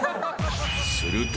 ［すると］